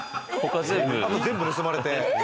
あと全部盗まれて。